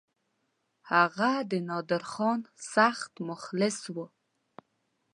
هغه د نادرخان سخت مخلص وو.